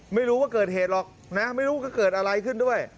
ไม่รู้ว่าเกิดเหตุหรอกนะไม่รู้ก็เกิดอะไรขึ้นด้วย